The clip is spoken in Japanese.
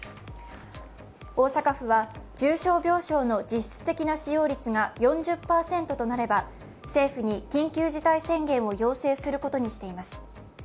大阪府は重症病床の実質的な使用率が４０％となれば政府に緊急事態宣言を要請することにしています。